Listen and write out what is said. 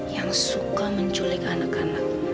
yang suka menculik anak anak